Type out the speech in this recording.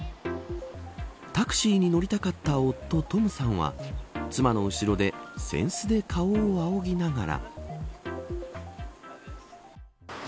タクシーに乗りたかった夫トムさんは妻の後ろでせんすで顔をあおぎながら。